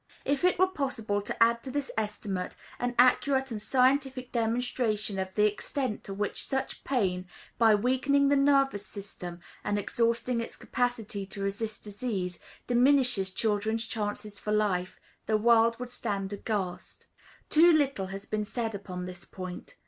If it were possible to add to this estimate an accurate and scientific demonstration of the extent to which such pain, by weakening the nervous system and exhausting its capacity to resist disease, diminishes children's chances for life, the world would stand aghast. Too little has been said upon this point.